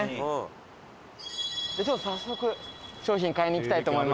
早速商品買いに行きたいと思います。